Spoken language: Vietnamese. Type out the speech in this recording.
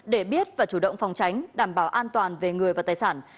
để biết và chủ động phòng tránh đảm bảo an toàn về người và tài sản